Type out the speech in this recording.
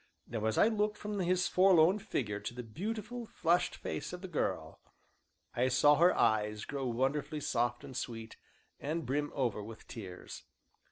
Now as I looked from his forlorn figure to the beautiful, flushed face of the girl, I saw her eyes grow wonderfully soft and sweet, and brim over with tears.